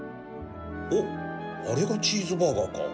おっあれがチーズバーガーか。